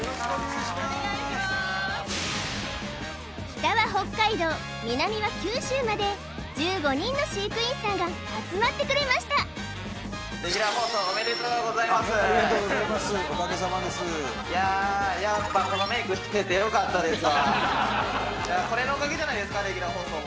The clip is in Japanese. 北は北海道南は九州まで１５人の飼育員さんが集まってくれましたありがとうございますおかげさまです